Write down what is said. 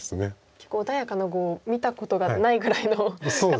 結構穏やかな碁を見たことがないぐらいの方ですよね。